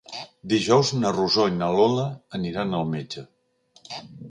Dijous na Rosó i na Lola aniran al metge.